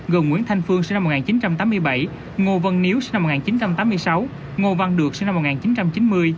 gồm nguyễn thanh phương sinh năm một nghìn chín trăm tám mươi bảy ngô vân niếu sinh năm một nghìn chín trăm tám mươi sáu ngô văn được sinh năm một nghìn chín trăm chín mươi